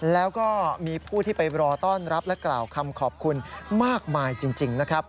แล้วก็มีผู้ที่ไปรอต้อนรับและกล่าวคำขอบคุณมากมายจริงนะครับ